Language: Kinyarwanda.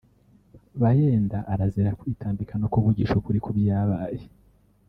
Bagyenda arazira kwitambika no kuvugisha ukuri kubyabaye